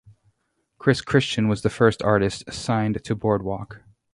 Chris Christian was the first artist signed to Boardwalk.